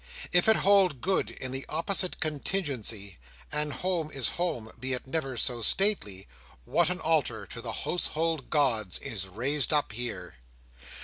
If it hold good in the opposite contingency, and home is home be it never so stately, what an altar to the Household Gods is raised up here!